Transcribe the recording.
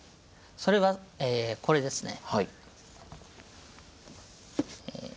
それはこれですね。